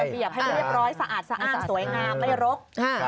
เบียบให้เรียบร้อยสะอาดสะอ้านสวยงามไม่รก